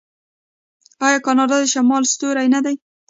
آیا کاناډا د شمال ستوری نه دی؟